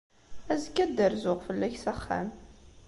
Azekka, ad d-rzuɣ fell-ak s axxam.